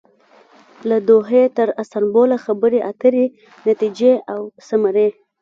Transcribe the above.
له دوحې تر استانبوله خبرې اترې ،نتیجې او ثمرې